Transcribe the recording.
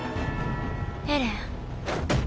エレン。